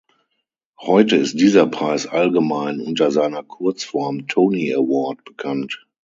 Heute ist dieser Preis allgemein unter seiner Kurzform Tony Award bekannt.